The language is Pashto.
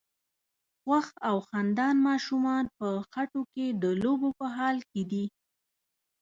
خوښ او خندان ماشومان په خټو کې د لوبو په حال کې دي.